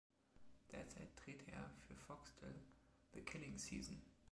Derzeit dreht er für Foxtel „The Killing Season“.